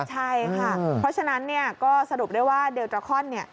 ใช่ค่ะเพราะฉะนั้นก็สรุปได้ว่าเดลตราคอน